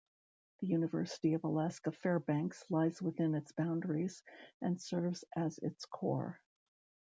The University of Alaska Fairbanks lies within its boundaries and serves as its core.